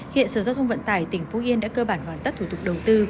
hiện sở giao thông vận tải tỉnh phú yên đã cơ bản hoàn tất thủ tục đầu tư